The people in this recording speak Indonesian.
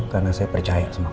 karena saya percaya sama kamu